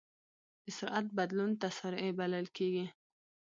د سرعت بدلون تسارع بلل کېږي.